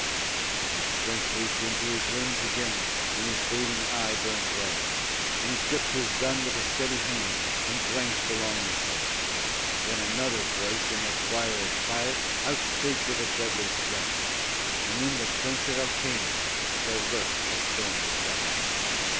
And his strength leaped into his limbs again, and his fading eye burned bright; And he gripped his gun with a steady hand and glanced along the sight; Then another voice in that choir of fire outspake with a deadly stress, And in the trench at El Caney there lurked a Spaniard less.